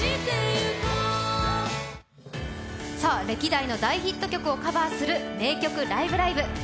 歴代の大ヒット曲をカバーする「名曲ライブ！